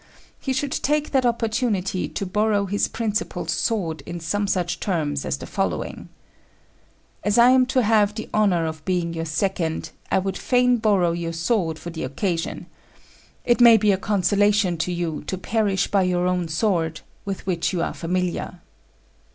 He should take that opportunity to borrow his principal's sword in some such terms as the following: "As I am to have the honour of being your second, I would fain borrow your sword for the occasion. It may be a consolation to you to perish by your own sword, with which you are familiar."